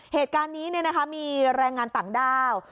เหตุการณ์นี้นี่นะครับมีแรงงานต่างดาว